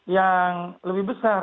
yang lebih besar